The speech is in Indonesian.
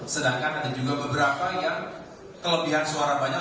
sedangkan ada juga beberapa yang kelebihan suara banyak